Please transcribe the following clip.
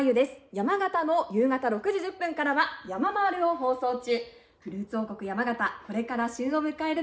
山形の夕方６時１０分からは「やままる」を放送中。